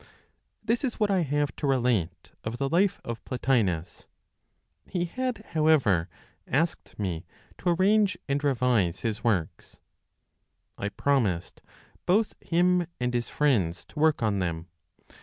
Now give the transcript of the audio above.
This is what I have to relate of the life of Plotinos. He had, however, asked me to arrange and revise his works. I promised both him and his friends to work on them.